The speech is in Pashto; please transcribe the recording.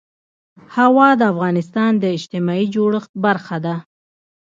هوا د افغانستان د اجتماعي جوړښت برخه ده.